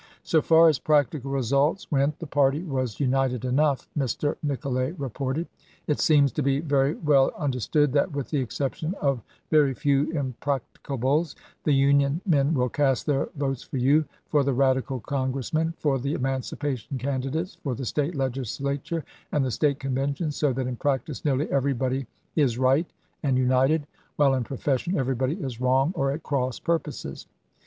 So far as practical results went the party was united enough, Mr. Nicolay reported; "it seems to be very well understood that, with the excep tion of very few impracticables, the Union men will cast their votes for you, for the Eadical Con gressmen, for the emancipation candidates, for the State Legislature and the State Convention, so that in practice nearly everybody is right and united, while in profession everybody is wrong or at cross purposes."